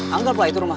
anggap lah itu rumahnya